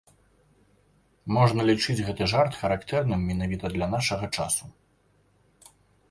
Можна лічыць гэты жарт характэрным менавіта для нашага часу.